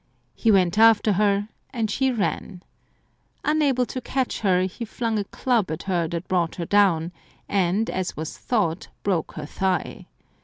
He went after her, and she ran. Unable to catch her, he flung a club at her that brought her down and, as was thought, broke her thigh.